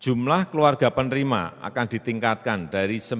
jumlah keluarga penerima akan ditingkatkan dari satu tujuh miliar orang